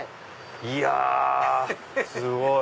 いやすごい！